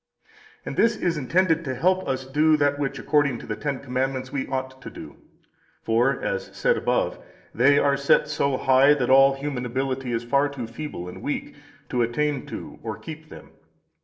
2 And this is intended to help us do that which according to the Ten Commandments we ought to do. For (as said above) they are set so high that all human ability is far too feeble and weak to [attain to or] keep them.